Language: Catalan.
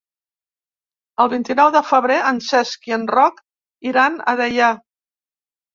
El vint-i-nou de febrer en Cesc i en Roc iran a Deià.